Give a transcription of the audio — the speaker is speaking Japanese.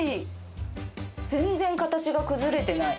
全然形が崩れてない。